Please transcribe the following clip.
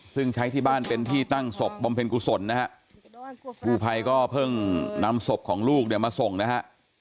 ซึ่งใช้ที่บ้านเป็นที่ตั้งศพบำเพ็ญกุศลนะฮะกูภัยก็เพิ่งนำศพของลูกเนี่ยมาส่งนะฮะ